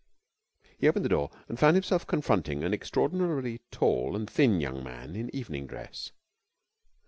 He opened the door and found himself confronting an extraordinarily tall and thin young man in evening dress.